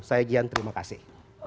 saya gian terima kasih